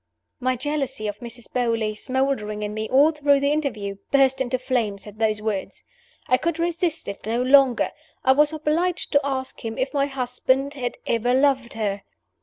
My jealousy of Mrs. Beauly, smoldering in me all through the interview, burst into flames at those words. I could resist it no longer I was obliged to ask him if my husband had ever loved her.